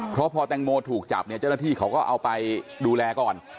เพราะพอแตงโมถูกจับเนี่ยเจ้าหน้าที่เขาก็เอาไปดูแลก่อน